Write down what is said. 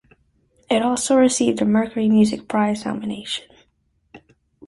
It also received a Mercury Music Prize nomination.